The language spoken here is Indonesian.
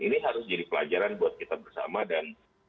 ini harus jadi pelajaran buat kita bersama dan sekali lagi saya ulangi